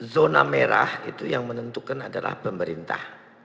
zona merah itu yang menentukan adalah pemerintah